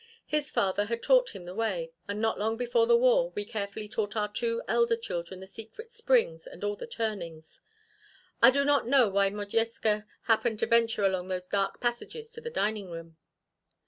His father had taught him the way, and not long before the war we carefully taught our two elder children the secret springs and all the turnings. I do not know why Modjeska happened to venture along those dark passages to the dining room."